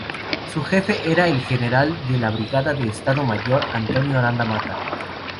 Su jefe era el general de brigada de Estado Mayor Antonio Aranda Mata.